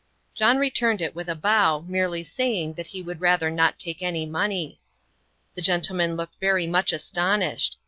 John returned it with a bow, merely saying "that he would rather not take any money." The gentleman looked very much astonished.